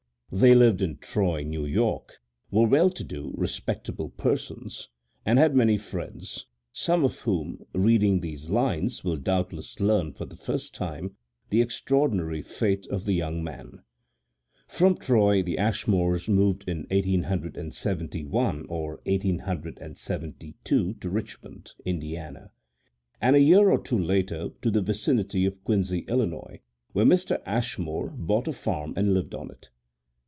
They lived in Troy, New York, were well to do, respectable persons, and had many friends, some of whom, reading these lines, will doubtless learn for the first time the extraordinary fate of the young man. From Troy the Ashmores moved in 1871 or 1872 to Richmond, Indiana, and a year or two later to the vicinity of Quincy, Illinois, where Mr. Ashmore bought a farm and lived on it.